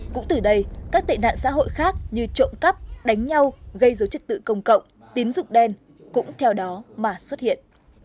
cũng từ đây các tệ nạn xã hội khác như trộm cắp đánh nhau gây dối trật tự công cộng tín dụng đen cũng theo đó mà xuất hiện